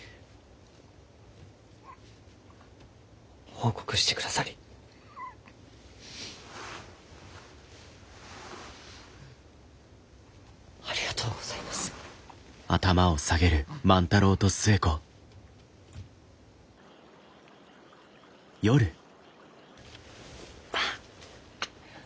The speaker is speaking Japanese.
報告してくださりありがとうございます。バア。